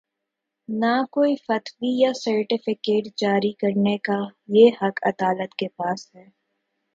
نہ کوئی فتوی یا سرٹیفکیٹ جاری کر نے کا یہ حق عدالت کے پاس ہے۔